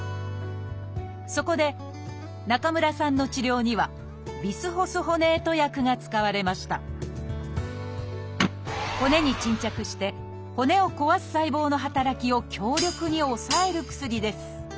そこで中村さんの治療にはビスホスホネート薬が使われました骨に沈着して骨を壊す細胞の働きを強力に抑える薬です。